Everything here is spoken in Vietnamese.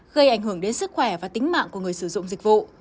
gây ảnh hưởng đến sức khỏe và tính mạng của người sử dụng dịch vụ